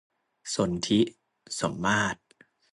สนธิ สมมาตร